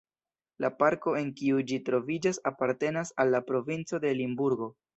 La parko en kiu ĝi troviĝas apartenas al la provinco de Limburgo.